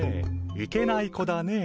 いけない子だねぇ。